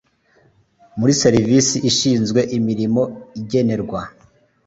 muri serivisi ishinzwe imirimo igenerwa